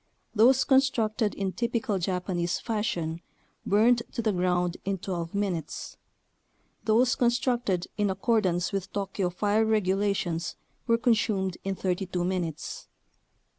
Those constructed in "typical Japanese fashion" burned to the ground in 12 minutes; those constructed in accordance with Tokyo fire regulations were consumed in 32 minutes.